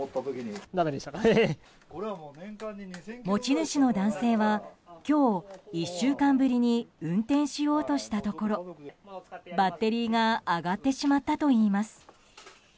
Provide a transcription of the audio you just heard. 持ち主の男性は今日、１週間ぶりに運転しようとしたところバッテリーが上がってしまったといいます。